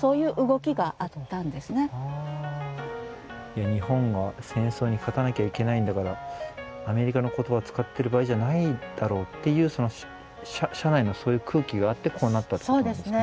いや日本が戦争に勝たなきゃいけないんだからアメリカの言葉を使ってる場合じゃないだろうっていう社内のそういう空気があってこうなったってことなんですかね。